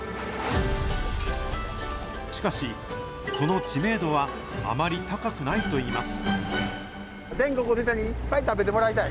しかし、その知名度はあまり高くないといいます。